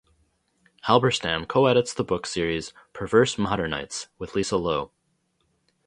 Halberstam coedits the book series "Perverse Modernities" with Lisa Lowe.